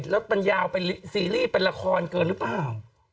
แล้วมันยาวเป็นซีรีส์เป็นละครเกินหรือเปล่า